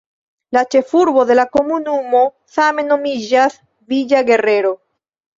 La ĉefurbo de la komunumo same nomiĝas "Villa Guerrero".